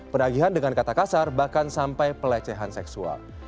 penagihan dengan kata kasar bahkan sampai pelecehan seksual